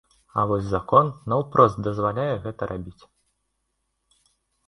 А вось закон наўпрост дазваляе гэта рабіць.